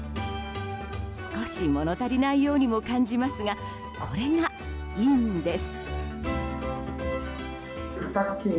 少し物足りないようにも感じますがこれがいいんです。